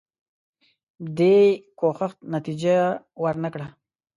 دې کوښښ نتیجه ورنه کړه.